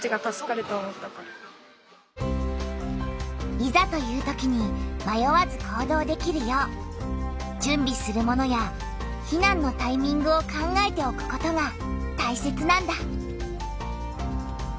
いざというときにまよわず行動できるよう準備するものや避難のタイミングを考えておくことがたいせつなんだ。